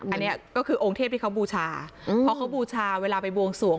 อันนี้ก็คือองค์เทพที่เขาบูชาเพราะเขาบูชาเวลาไปบวงสวง